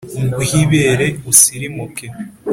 Nguhe ibere usirimuke.